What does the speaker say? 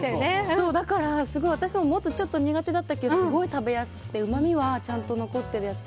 だから私も、ちょっと、もつ苦手だったけどすごく食べやすくてうまみもちゃんと残ってて。